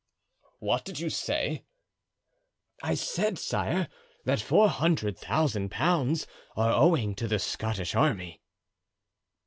"What did you say?" "I said, sire, that four hundred thousand pounds are owing to the Scottish army."